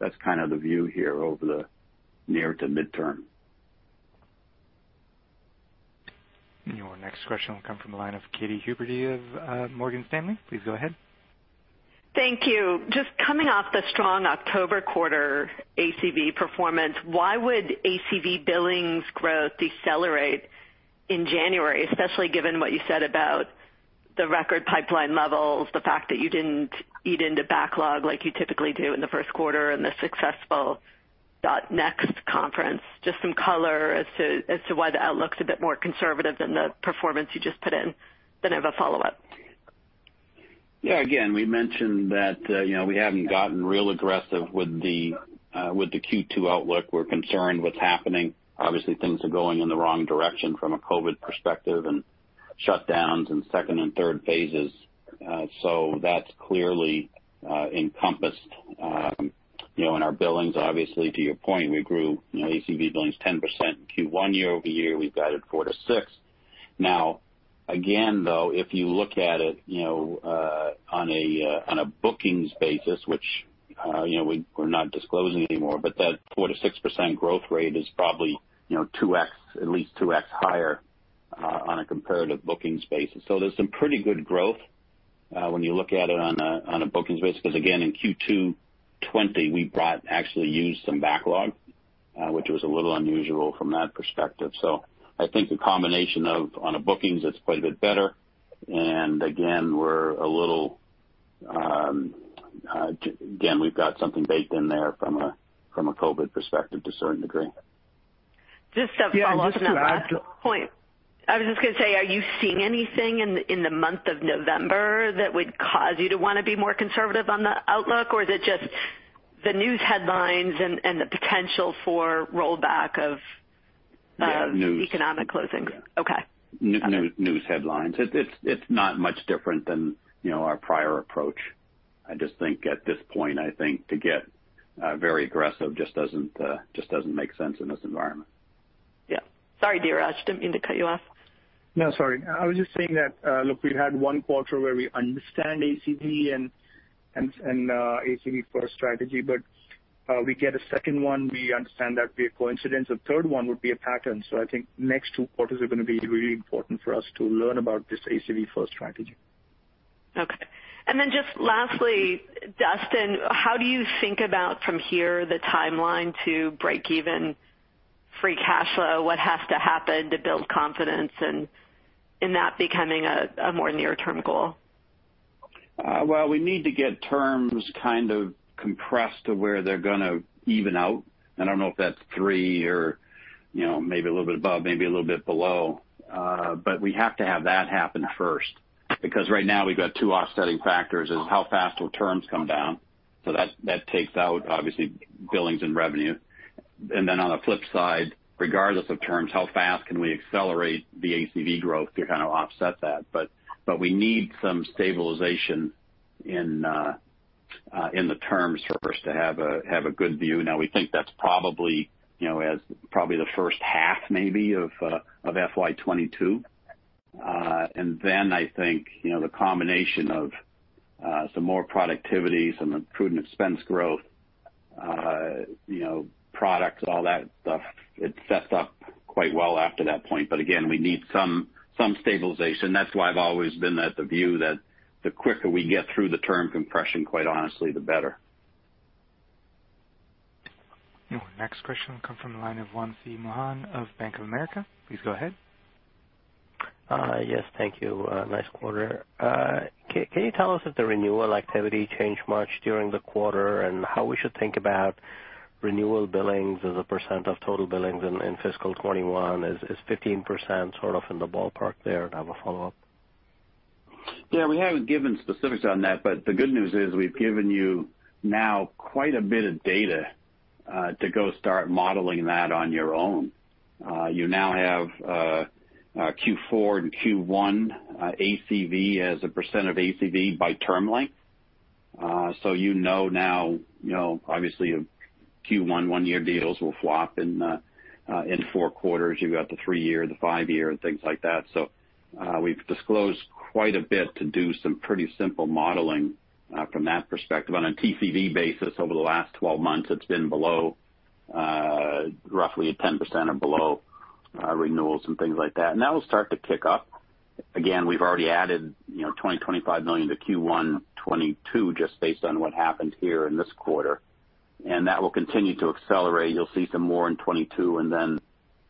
That's kind of the view here over the near to midterm. Your next question will come from the line of Katy Huberty of Morgan Stanley. Please go ahead. Thank you. Just coming off the strong October quarter ACV performance, why would ACV billings growth decelerate in January, especially given what you said about the record pipeline levels, the fact that you didn't eat into backlog like you typically do in the first quarter, and the successful .NEXT conference? Just some color as to why the outlook's a bit more conservative than the performance you just put in. I have a follow-up. Again, we mentioned that we haven't gotten real aggressive with the Q2 outlook. We're concerned what's happening. Things are going in the wrong direction from a COVID perspective, and shutdowns, and 2nd and 3rd phases. That's clearly encompassed in our billings. To your point, we grew ACV billings 10% in Q1 year-over-year. We guided four to six. Again, though, if you look at it on a bookings basis, which we're not disclosing anymore, that 4%-6% growth rate is probably at least 2x higher on a comparative bookings basis. There's some pretty good growth when you look at it on a bookings basis, because again, in Q2 2020, we actually used some backlog, which was a little unusual from that perspective. I think the combination of on a bookings, it's quite a bit better, and again, we've got something baked in there from a COVID perspective to a certain degree. Just a follow-up on that last point. Yeah. I was just going to say, are you seeing anything in the month of November that would cause you to want to be more conservative on the outlook, or is it just the news headlines and the potential for rollback? Yeah, news. economic closings? Yeah. Okay. Got it. News headlines. It's not much different than our prior approach. I just think at this point, I think to get very aggressive just doesn't make sense in this environment. Yeah. Sorry, Dheeraj, didn't mean to cut you off. No, sorry. I was just saying that, look, we had one quarter where we understand ACV and ACV-first strategy. We get a second one, we understand that'd be a coincidence. A third one would be a pattern. I think next two quarters are going to be really important for us to learn about this ACV-first strategy. Okay. Just lastly, Duston, how do you think about, from here, the timeline to break even free cash flow? What has to happen to build confidence in that becoming a more near-term goal? We need to get terms kind of compressed to where they're going to even out. I don't know if that's three or maybe a little bit above, maybe a little bit below. We have to have that happen first, because right now we've got two offsetting factors is how fast will terms come down. That takes out, obviously, billings and revenue. On the flip side, regardless of terms, how fast can we accelerate the ACV growth to kind of offset that? We need some stabilization in the terms first to have a good view. Now, we think that's probably the first half, maybe, of FY 2022. Then I think, the combination of some more productivity, some prudent expense growth, products, all that stuff, it sets up quite well after that point. Again, we need some stabilization. That's why I've always been at the view that the quicker we get through the term compression, quite honestly, the better. Our next question will come from the line of Wamsi Mohan of Bank of America. Please go ahead. Yes, thank you. Nice quarter. Can you tell us if the renewal activity changed much during the quarter, and how we should think about renewal billings as a percent of total billings in fiscal 2021? Is 15% sort of in the ballpark there? I have a follow-up. Yeah, we haven't given specifics on that, but the good news is we've given you now quite a bit of data to go start modeling that on your own. You now have Q4 and Q1 ACV as a percent of ACV by term length. You know now, obviously, Q1 one-year deals will flop in four quarters. You've got the three-year, the five-year, and things like that. We've disclosed quite a bit to do some pretty simple modeling from that perspective. On a TCV basis over the last 12 months, it's been roughly at 10% or below, renewals and things like that. That will start to kick up. Again, we've already added $20, $25 million to Q1 2022 just based on what happened here in this quarter, and that will continue to accelerate. You'll see some more in 2022, and then,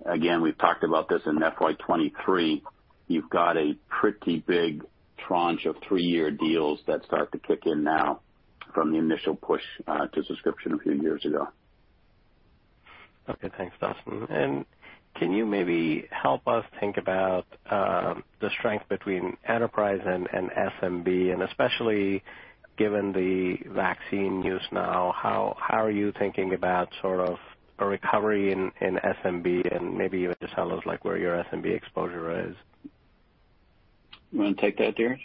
again, we've talked about this in FY 2023. You've got a pretty big tranche of three-year deals that start to kick in now from the initial push to subscription a few years ago. Okay. Thanks, Duston. Can you maybe help us think about the strength between enterprise and SMB, especially given the vaccine news now, how are you thinking about sort of a recovery in SMB and maybe even just tell us where your SMB exposure is? You want to take that, Dheeraj?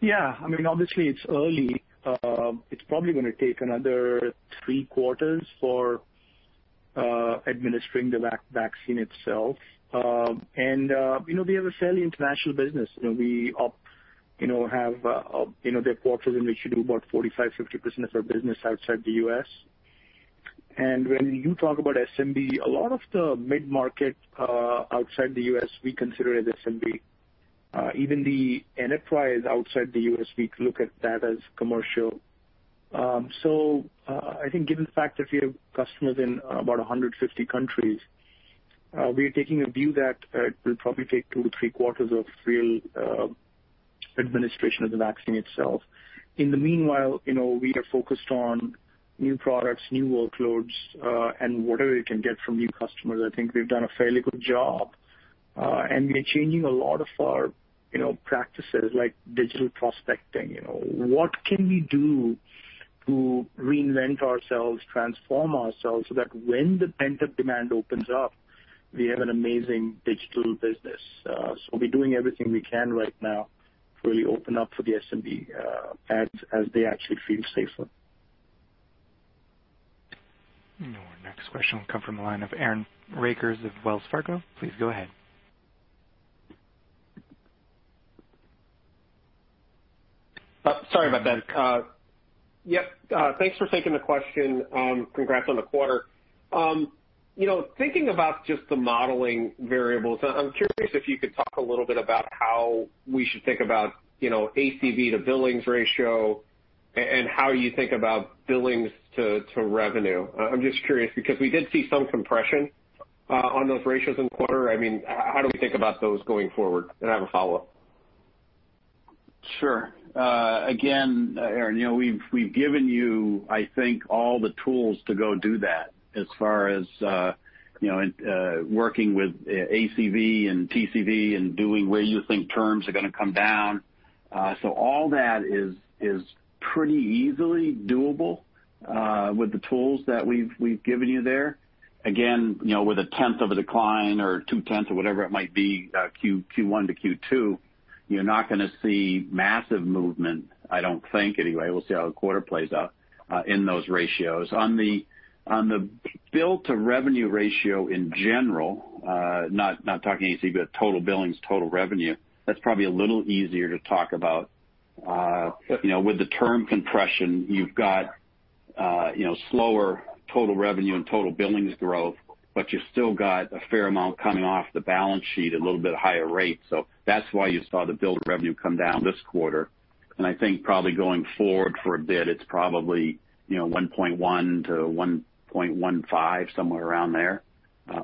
Yeah. Obviously, it's early. It's probably going to take another three quarters for administering the vaccine itself. We have a fairly international business. There are quarters in which we do about 45%-50% of our business outside the U.S. When you talk about SMB, a lot of the mid-market outside the U.S., we consider as SMB. Even the enterprise outside the U.S., we look at that as commercial. I think given the fact that we have customers in about 150 countries, we are taking a view that it will probably take two to three quarters of real administration of the vaccine itself. In the meanwhile, we are focused on new products, new workloads, and whatever we can get from new customers. I think we've done a fairly good job. We're changing a lot of our practices, like digital prospecting. What can we do to reinvent ourselves, transform ourselves, so that when the pent-up demand opens up, we have an amazing digital business? We're doing everything we can right now to really open up for the SMB as they actually feel safer. Our next question will come from the line of Aaron Rakers of Wells Fargo. Please go ahead. Sorry about that. Yep. Thanks for taking the question. Congrats on the quarter. Thinking about just the modeling variables, I'm curious if you could talk a little bit about how we should think about ACV to billings ratio and how you think about billings to revenue. I'm just curious because we did see some compression on those ratios in the quarter. How do we think about those going forward? I have a follow-up. Sure. Aaron, we've given you, I think, all the tools to go do that as far as working with ACV and TCV and doing where you think terms are going to come down. All that is pretty easily doable with the tools that we've given you there. With 0.1 of a decline or 0.2 or whatever it might be, Q1-Q2, you're not going to see massive movement, I don't think, anyway. We'll see how the quarter plays out in those ratios. On the bill to revenue ratio in general, not talking ACV, but total billings, total revenue, that's probably a little easier to talk about. With the term compression, you've got slower total revenue and total billings growth, but you still got a fair amount coming off the balance sheet, a little bit higher rate. That's why you saw the bill-to-revenue come down this quarter. I think probably going forward for a bit, it's probably 1.1-1.15, somewhere around there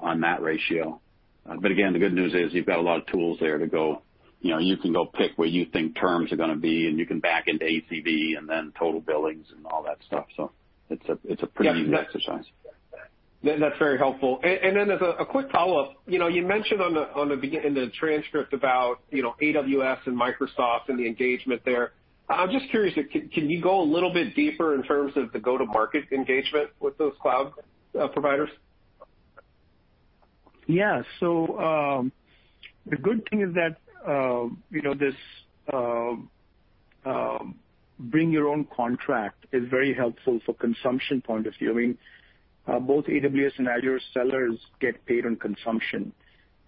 on that ratio. Again, the good news is you've got a lot of tools there to go. You can go pick where you think terms are going to be, and you can back into ACV and then total billings and all that stuff. It's a pretty easy exercise. That's very helpful. As a quick follow-up, you mentioned in the transcript about AWS and Microsoft and the engagement there. I'm just curious, can you go a little bit deeper in terms of the go-to-market engagement with those cloud providers? The good thing is that this bring your own contract is very helpful for consumption point of view. Both AWS and Azure sellers get paid on consumption.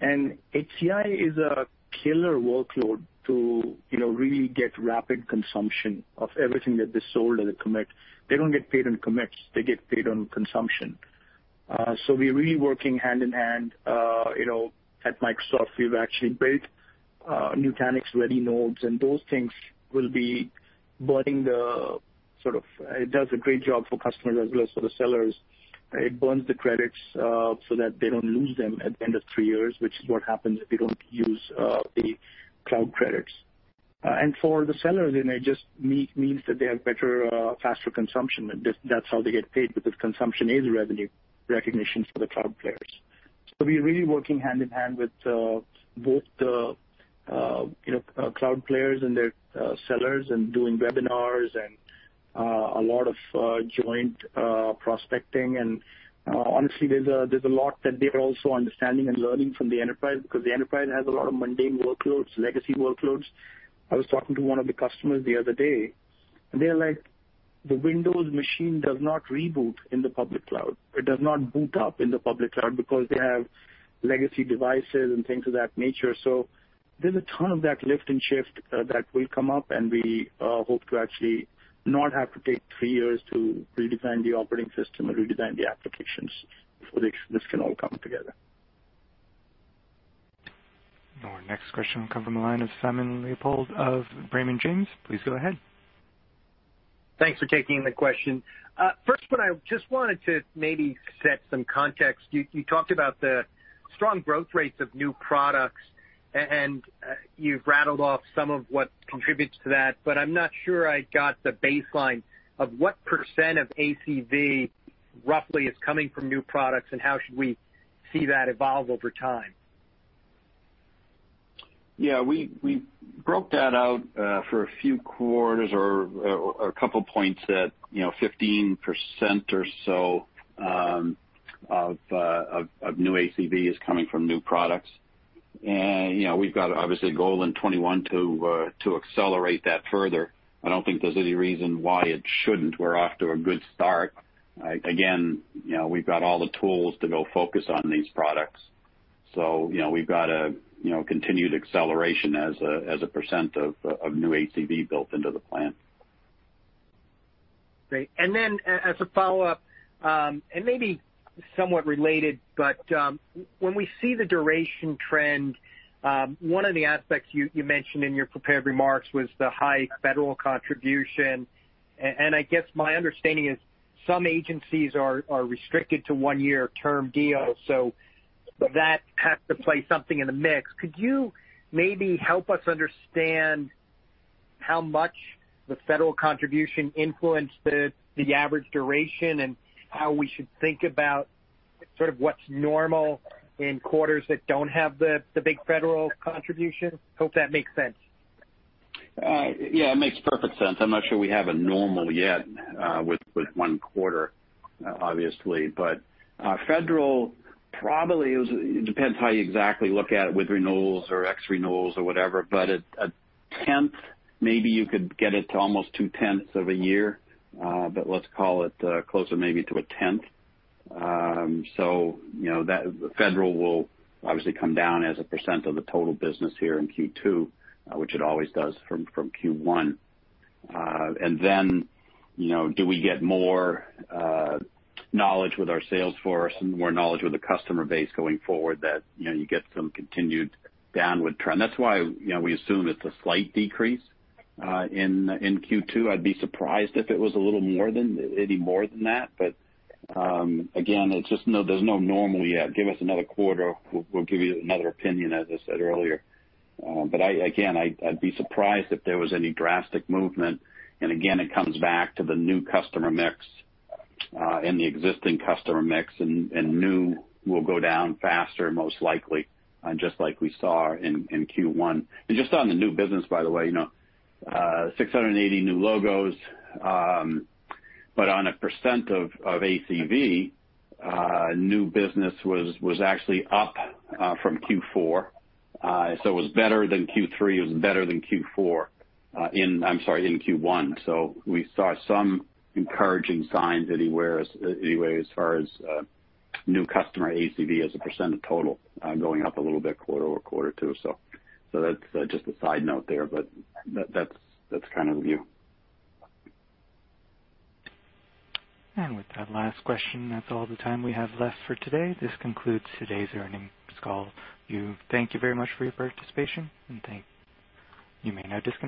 HCI is a killer workload to really get rapid consumption of everything that they sold as a commit. They don't get paid on commits, they get paid on consumption. We're really working hand-in-hand at Microsoft. We've actually built Nutanix Ready Nodes. It does a great job for customers as well as for the sellers. It burns the credits so that they don't lose them at the end of three years, which is what happens if you don't use the cloud credits. For the sellers, it just means that they have better, faster consumption. That's how they get paid because consumption is revenue recognition for the cloud players. We're really working hand-in-hand with both the cloud players and their sellers and doing webinars and a lot of joint prospecting. Honestly, there's a lot that they're also understanding and learning from the enterprise because the enterprise has a lot of mundane workloads, legacy workloads. I was talking to one of the customers the other day, and they're like, "The Windows machine does not reboot in the public cloud. It does not boot up in the public cloud," because they have legacy devices and things of that nature. There's a ton of that lift and shift that will come up, and we hope to actually not have to take three years to redesign the operating system or redesign the applications before this can all come together. Our next question will come from the line of Simon Leopold of Raymond James. Please go ahead. Thanks for taking the question. First, what I just wanted to maybe set some context. You talked about the strong growth rates of new products, and you've rattled off some of what contributes to that, but I'm not sure I got the baseline of what percent of ACV roughly is coming from new products and how should we see that evolve over time? We broke that out for a few quarters or a couple of points that 15% or so of new ACV is coming from new products. We've got obviously a goal in 2021 to accelerate that further. I don't think there's any reason why it shouldn't. We're off to a good start. Again, we've got all the tools to go focus on these products. We've got a continued acceleration as a percent of new ACV built into the plan. Great. As a follow-up, and maybe somewhat related, but when we see the duration trend, one of the aspects you mentioned in your prepared remarks was the high federal contribution. I guess my understanding is some agencies are restricted to one-year term deals, so that has to play something in the mix. Could you maybe help us understand how much the federal contribution influenced the average duration and how we should think about sort of what's normal in quarters that don't have the big federal contribution? Hope that makes sense. Yeah, it makes perfect sense. I'm not sure we have a normal yet with one quarter, obviously, but federal probably it depends how you exactly look at it with renewals or ex renewals or whatever, but a tenth, maybe you could get it to almost two tenths of a year, but let's call it closer maybe to a tenth. Federal will obviously come down as a percent of the total business here in Q2, which it always does from Q1. Then, do we get more knowledge with our sales force and more knowledge with the customer base going forward that you get some continued downward trend. That's why we assume it's a slight decrease in Q2. I'd be surprised if it was any more than that. Again, there's no normal yet. Give us another quarter, we'll give you another opinion, as I said earlier. Again, I'd be surprised if there was any drastic movement, and again, it comes back to the new customer mix and the existing customer mix, and new will go down faster, most likely, just like we saw in Q1. Just on the new business, by the way, 680 new logos, but on a percent of ACV, new business was actually up from Q4. It was better than Q3. It was better than Q4 in, I'm sorry, in Q1. We saw some encouraging signs anyway as far as new customer ACV as a percent of total going up a little bit quarter-over-quarter too. That's just a side note there, but that's kind of the view. With that last question, that's all the time we have left for today. This concludes today's earnings call. Thank you very much for your participation, and you may now disconnect.